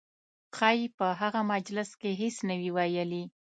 ښایي په هغه مجلس کې هېڅ نه وي ویلي.